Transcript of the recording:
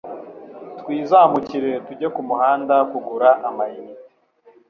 twizamukire tujye kumuhanda kugura ama inite